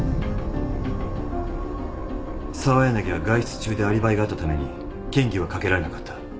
澤柳は外出中でアリバイがあったために嫌疑は掛けられなかった。